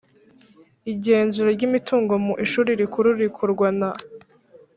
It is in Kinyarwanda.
Igenzura ry imitungo mu Ishuri Rikuru rikorwa na